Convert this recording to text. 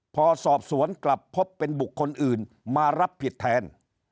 พอสอบสวนกลับพบเป็นบุคคลอื่นมารับผิดแทน